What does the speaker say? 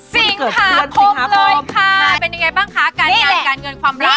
สิงหาคมเลยค่ะเป็นยังไงบ้างคะการงานการเงินความรัก